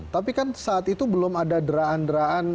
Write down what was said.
tapi kan saat itu belum ada deraan deraan